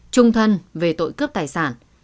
trung thân về tội cướp tài sản